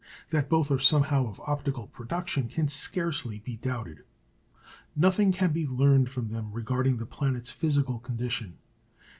That both are somehow of optical production can scarcely be doubted. Nothing can be learned from them regarding the planet's physical condition.